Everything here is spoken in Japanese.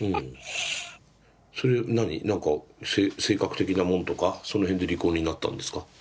それは何何か性格的なものとかその辺で離婚になったんですか？